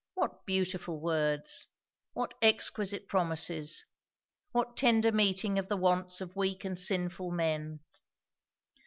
What beautiful words! what exquisite promises! what tender meeting of the wants of weak and sinful men!